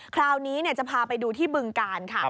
คราวนี้จะพาไปดูที่บึงกาลค่ะ